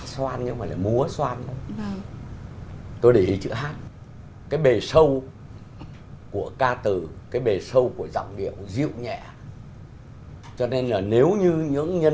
xin mời anh minh anh anh có thể